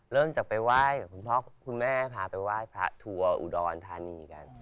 เริ่มจากไปไหว้กับคุณพ่อคุณแม่พาไปไหว้พระทัวร์อุดรธานีกัน